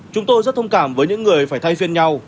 chúng tôi rất thông cảm với những người phải thay phiên nhau